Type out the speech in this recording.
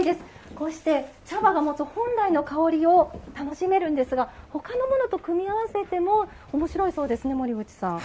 こうして茶葉が持つ本来の香りを楽しめるんですがほかのものと組み合わせてもおもしろいそうですね、森口さん。